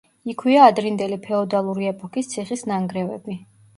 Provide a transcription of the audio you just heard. იქვეა ადრინდელი ფეოდალური ეპოქის ციხის ნანგრევები.